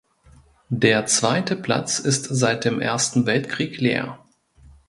Der zweite Platz ist seit dem Ersten Weltkrieg leer.